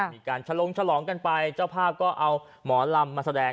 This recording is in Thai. มีการฉลงฉลองกันไปเจ้าภาพก็เอาหมอลำมาแสดง